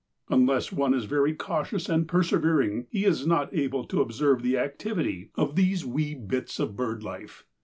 Unless one is very cautious and persevering he is not able to observe the activity of these wee bits of bird life.